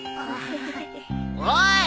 ・おい！